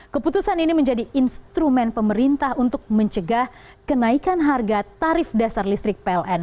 keputusan ini menjadi instrumen pemerintah untuk mencegah kenaikan harga tarif dasar listrik pln